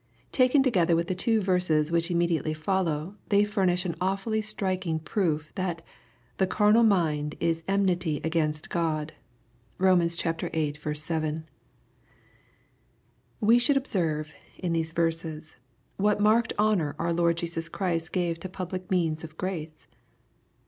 Taken together with the two verses which imme diately follow, they furnish an awfully striking proof^ that '^ the carnal mind is enmity against God." (Bom. viii. 7.) We should observe, in these verses, what marked honor our Lord Jesus Christ gave to public means of grace.